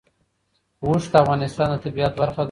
اوښ د افغانستان د طبیعت برخه ده.